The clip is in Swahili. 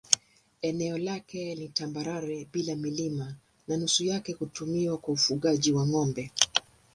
Eneo lake ni tambarare bila milima na nusu yake hutumiwa kwa ufugaji wa ng'ombe.